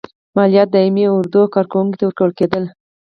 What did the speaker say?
مالیات دایمي اردو او کارکوونکو ته ورکول کېدل.